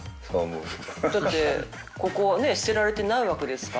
だってここ捨てられてないわけですからね。